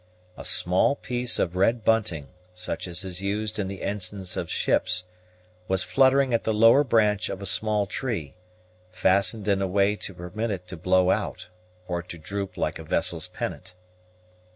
A small piece of red bunting, such as is used in the ensigns of ships, was fluttering at the lower branch of a small tree, fastened in a way to permit it to blow out, or to droop like a vessel's pennant.